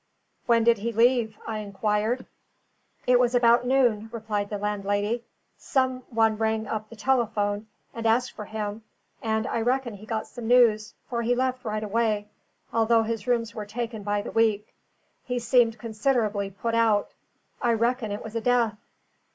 "When did he leave?" I inquired. "It was about noon," replied the landlady. "Some one rang up the telephone, and asked for him; and I reckon he got some news, for he left right away, although his rooms were taken by the week. He seemed considerable put out: I reckon it was a death."